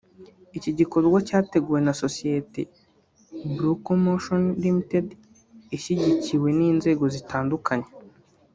Iki gikorwa cyateguwe na sosiyete Bruco Motion Ltd ishyigikiwe n’inzego zitandukanye